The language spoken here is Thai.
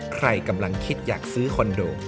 ใครกำลังคิดอยากซื้อคอนโด